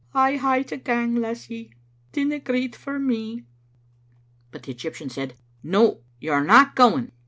" I'll hae to gang, lassie. Dinna greet for me." But the Egyptian said, " No, you are not going.